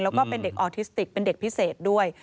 แล้วก็เป็นเด็กออทิสติกเป็นเด็กพิเศษด้วย